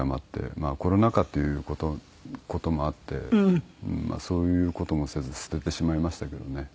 まあコロナ禍という事もあってそういう事もせず捨ててしまいましたけどね。